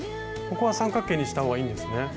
ここは三角形にした方がいいんですね。